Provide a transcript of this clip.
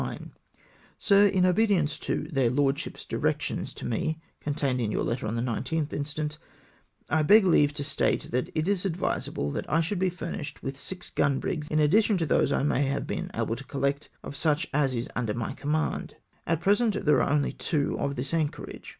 Sir, — In obedience to their Lordships' directions to me, contained in your letter of the 19th instant, I beg leave to state that it is advisable that I should be furnished with six gun brigs in addition to those I may be able to collect of such as are under my command ; at present there are only two at this anchorage.